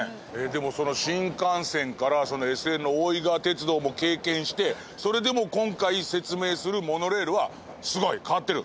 でも、新幹線からＳＬの大井川鐵道も経験してそれでも今回、説明するモノレールはすごい？変わってる？